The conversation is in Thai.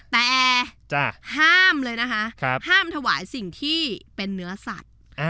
แต่ห้ามเลยนะคะห้ามถวายสิ่งที่เป็นเนื้อสัตว์